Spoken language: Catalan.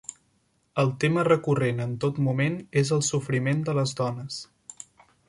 El tema recurrent en tot moment és el sofriment de les dones.